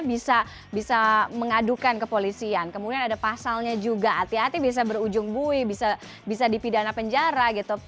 bisa mengadukan kepolisian kemudian ada pasalnya juga hati hati bisa berujung bui bisa dipidana penjara gitu